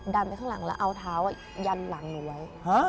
ไปข้างหลังแล้วเอาเท้ายันหลังหนูไว้